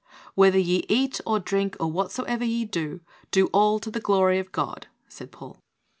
"Whether ye eat or drink, or whatso ever ye do, do all to the glory of God," said Paul.